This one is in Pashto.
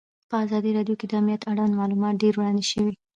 په ازادي راډیو کې د امنیت اړوند معلومات ډېر وړاندې شوي.